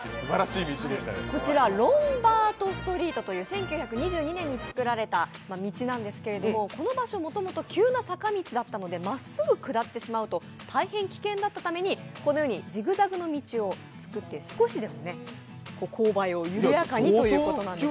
こちらロンバード・ストリートという１９２２年につくられた道なんですけれどもこの場所、もともと急な坂道だったので、まっすぐ下ってしまうと大変危険だったためにこのようにジグザグの道を作って少しでも勾配を緩やかにということで。